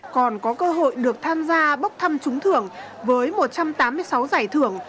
còn có cơ hội được tham gia bốc thăm trúng thưởng với một trăm tám mươi sáu giải thưởng